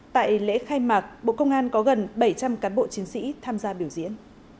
tại lễ khai mạc bộ công an có gần bảy trăm linh cán bộ chiến sĩ tham gia biểu diễn